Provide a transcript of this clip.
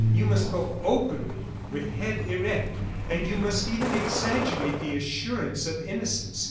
You must go openly, with head erect, and you must even exaggerate the assurance of innocence.